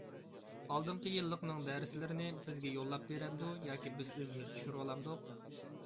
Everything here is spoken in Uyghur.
ئالدىنقى يىللىقنىڭ دەرسلىرىنى بىزگە يوللاپ بېرەمدۇ ياكى بىز ئۆزىمىز چۈشۈرۈۋالامدۇق؟